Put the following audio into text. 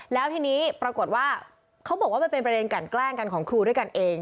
แล้วทีนี้ปรากฏว่าเขาบอกว่ามันเป็นประเด็นกันแกล้งกันของครูด้วยกันเอง